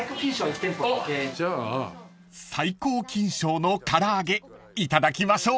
［最高金賞の唐揚げ頂きましょう］